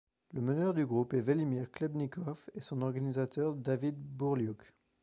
Le meneur du groupe est Velimir Khlebnikov et son organisateur David Bourliouk.